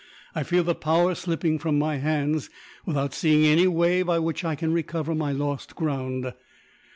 I feel the power slipping from my hands, without seeing any way by which I can recover my lost ground.